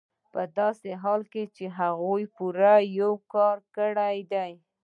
په داسې حال کې چې هغوی پوره کار کړی دی